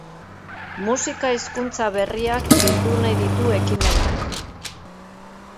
Musika-hizkuntza berriak bildu nahi ditu ekimenak.